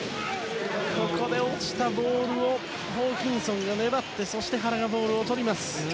落ちたボールをホーキンソンが粘ってそして、原がボールをとりました。